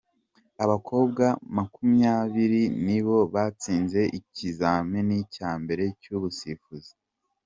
Abakobwa makumyabiri nibo batsinze ikizamini cya mbere cy’ubusifuzi